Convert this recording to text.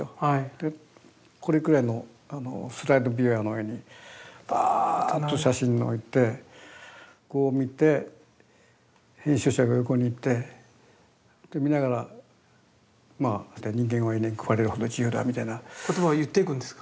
でこれぐらいのスライドビューアーの上にバーッと写真を置いてこう見て編集者が横にいてで見ながら「ニンゲンは犬に食われるほど自由だ。」みたいな。言葉を言っていくんですか？